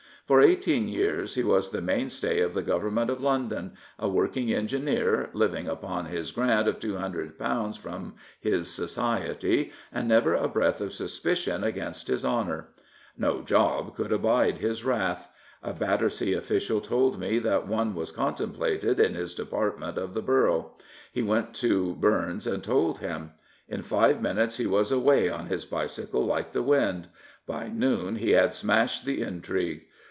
For eighteen yeaxs he was the mainstay of the government of London, a working engineer, living upon his grant of £200 from his Society, and never a breath of suspicion against his honour. No " job " could abide his wrath. A Battersea official told me that one was contemplated in his department of the borough. He went to Bums and told him. In five minutes he was away on his bicycle like the wind. By noon he had smashed the intrigue.